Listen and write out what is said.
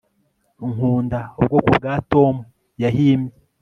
Nkunda ubwoko bwa Tom yahimbye